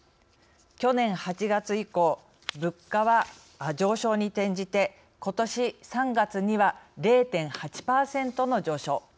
去年８月以降物価は上昇に転じてことし３月には、０．８％の上昇。